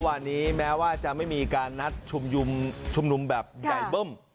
วันนี้แม้ว่าจะไม่มีการนัดชุมนุมแบบใหญ่เบิ้ม